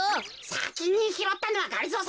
さきにひろったのはがりぞー